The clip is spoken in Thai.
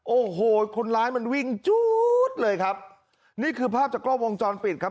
โอ้โหคนร้ายมันวิ่งจู๊ดเลยครับนี่คือภาพจากกล้อวงจรปิดครับ